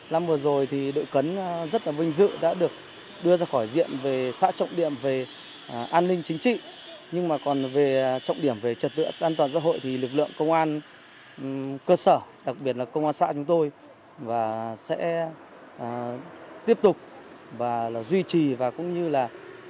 năm vừa rồi thì đội cấn rất là vinh dự đã được đưa ra khỏi diện về xã trọng điểm về an ninh chính trị nhưng mà còn về trọng điểm về trật tự an toàn xã hội thì lực lượng công an cơ sở đặc biệt là công an xã chúng tôi và sẽ tiếp tục và duy trì và cũng như là